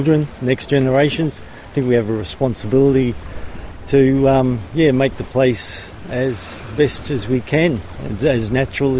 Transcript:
dan untuk generasi berikutnya kita memiliki tanggung jawab untuk membuat tempat ini lebih baik dan natural